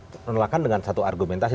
penolakan dengan satu argumentasi